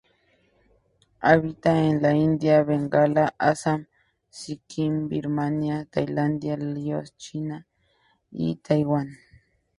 Habita en la India, Bengala, Assam, Sikkim, Birmania, Tailandia, Laos, China y Taiwán.